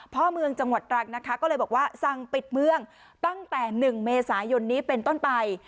พ่อเมืองจังหวัดตรังนะคะก็เลยบอกว่าสั่งปิดเมืองตั้งแต่๑เมษายนนี้เป็นต้นไป